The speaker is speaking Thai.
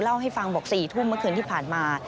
เล่าให้ฟังบอก๔ทุ่มเมื่อคืนที่ผ่านมา